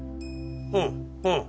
うんうん。